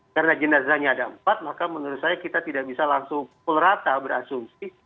karena jenazahnya ada empat maka menurut saya kita tidak bisa langsung pul rata berasumsi